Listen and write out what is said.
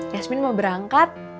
yasmin mau berangkat